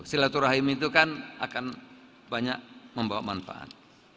silaturahim itu kan akan banyak membawa manfaat